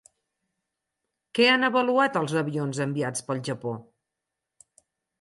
Què han avaluat els avions enviats pel Japó?